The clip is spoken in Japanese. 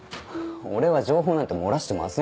俺は情報なんて漏らしてませんよ。